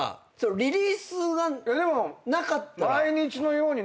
リリースがなかったら。